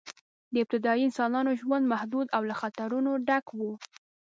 د ابتدایي انسانانو ژوند محدود او له خطرونو ډک و.